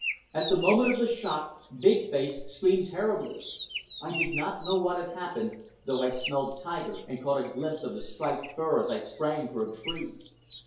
At the moment of the shock, Big Face screamed terribly. I did not know what had happened, though I smelled tiger and caught a glimpse of striped fur as I sprang for a tree.